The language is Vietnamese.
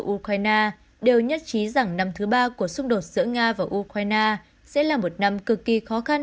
ukraine đều nhất trí rằng năm thứ ba của xung đột giữa nga và ukraine sẽ là một năm cực kỳ khó khăn